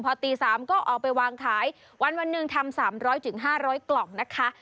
พอตี๓ก็เอาไปวางขายวันหนึ่งทำ๓๐๐๕๐๐กล่องนะคะ